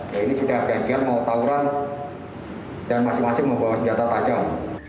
ya ini sudah janjian mau tauran dan masing masing membawa senjata tajam